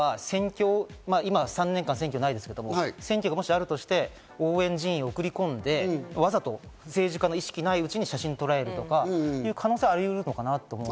今、３年間選挙ないですけど選挙がもしあるとして、応援人員を送り込んで、わざと政治家の意識がないうちに写真を撮られるとかいう可能性はありうるのかなと。